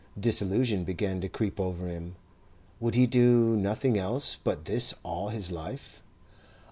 Disillusion began to creep over him. Would he do nothing else but this all his life?